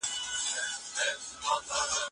د هیلې لمر همېشه د تورو وريځو تر شا وي.